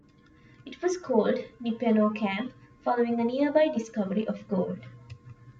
It was called "Nippeno Camp" following a nearby discovery of gold.